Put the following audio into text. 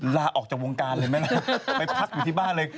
ลาออกจากวงการเลยไหมล่ะไปพักอยู่ที่บ้านเลย